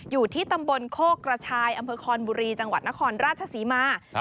อยู่ที่ตำบลโคกกระชายอำเภอคอนบุรีจังหวัดนครราชศรีมา